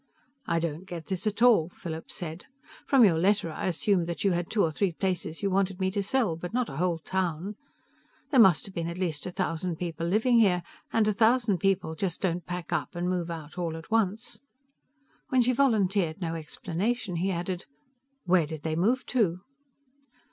"I don't get this at all," Philip said. "From your letter I assumed you had two or three places you wanted me to sell, but not a whole town. There must have been at least a thousand people living here, and a thousand people just don't pack up and move out all at once." When she volunteered no explanation, he added, "Where did they move to?"